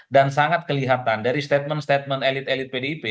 dan sangat kelihatan dari statement statement elit elit pdip